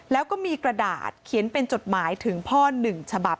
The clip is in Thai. แล้วก็มีกระดาษเขียนเป็นจดหมายถึงพ่อ๑ฉบับ